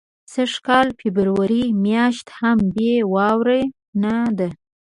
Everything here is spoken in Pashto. سږ کال فبرورۍ میاشت هم بې واورو نه ده.